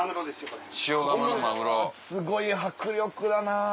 すごい迫力だな。